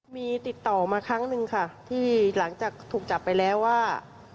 มีติดต่อมาครั้งหนึ่งค่ะที่หลังจากถูกจับไปแล้วว่า